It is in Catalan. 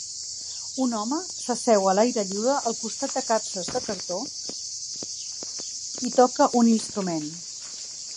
Un home s'asseu a l'aire lliure al costat de capses de cartó i toca un instrument.